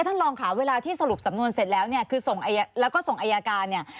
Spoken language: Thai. ท่านรองขาวเวลาที่สรุปสำนวนเสร็จแล้วแล้วก็ส่งอัยการ